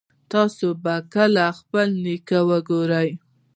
تاسو به کله خپل نیکه وګورئ